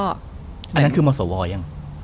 อันนั้นคือมอสโอวอร์ยัง